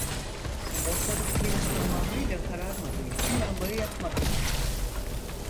Ortalık henüz tamamıyla kararmadığı için lambayı yakmadılar.